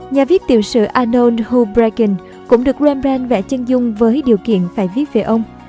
nhà viết tiểu sử arnold houbregen cũng được rembrandt vẽ chân dung với điều kiện phải viết về ông